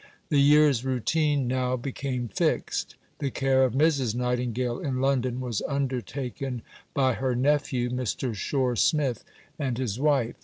The year's routine now became fixed. The care of Mrs. Nightingale in London was undertaken by her nephew, Mr. Shore Smith, and his wife.